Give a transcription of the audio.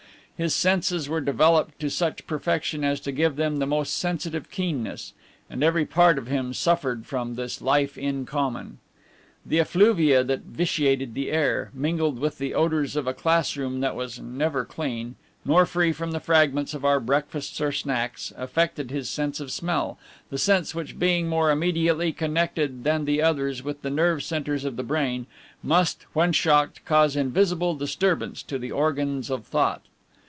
His senses were developed to such perfection as gave them the most sensitive keenness, and every part of him suffered from this life in common. The effluvia that vitiated the air, mingled with the odors of a classroom that was never clean, nor free from the fragments of our breakfasts or snacks, affected his sense of smell, the sense which, being more immediately connected than the others with the nerve centers of the brain, must, when shocked, cause invisible disturbance to the organs of thought.